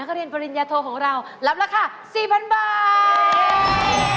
เรียนปริญญาโทของเรารับราคา๔๐๐๐บาท